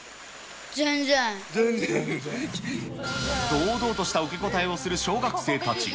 堂々とした受け答えをする小学生たち。